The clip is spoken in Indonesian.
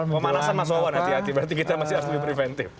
pemanasan mas wawan hati hati berarti kita masih harus lebih preventif